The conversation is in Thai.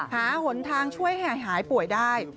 หนทางช่วยให้หายป่วยได้